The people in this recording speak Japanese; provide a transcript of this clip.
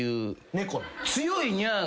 猫？